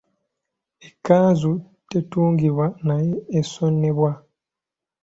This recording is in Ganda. Ekkanzu tetungibwa naye esonebwa.